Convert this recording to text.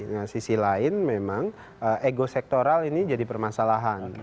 nah sisi lain memang ego sektoral ini jadi permasalahan